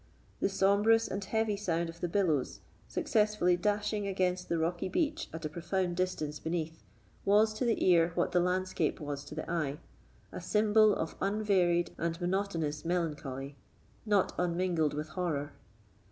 The sombrous and heavy sound of the billows, successively dashing against the rocky beach at a profound distance beneath, was to the ear what the landscape was to the eye—a symbol of unvaried and monotonous melancholy, not unmingled with horror.